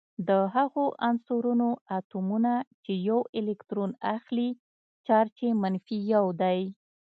د هغو عنصرونو اتومونه چې یو الکترون اخلي چارج یې منفي یو دی.